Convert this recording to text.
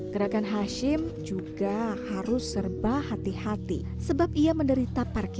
yang ini kalau yang ini rencek